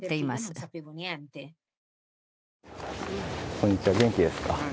こんにちは、元気ですか？